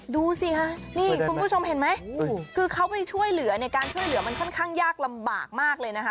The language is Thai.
ดูสิค่ะนี่คุณผู้ชมเห็นไหมคือเขาไปช่วยเหลือเนี่ยการช่วยเหลือมันค่อนข้างยากลำบากมากเลยนะคะ